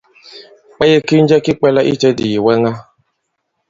Kwaye ki njɛ ki kwɛ̄lā itē àdì ìwɛŋa?